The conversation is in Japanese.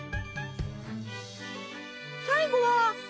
最後は。